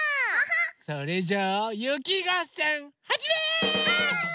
それじゃあゆきがっせんはじめ！